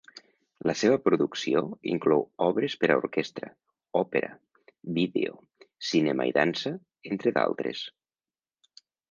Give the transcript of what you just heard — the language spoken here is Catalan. La seva producció inclou obres per a orquestra, òpera, vídeo, cinema i dansa, entre d'altres.